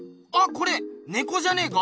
これねこじゃねえか？